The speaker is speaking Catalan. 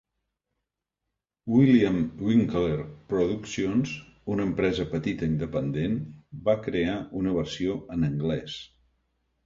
William Winckler Productions, una empresa petita independent, va crear una versió en anglès.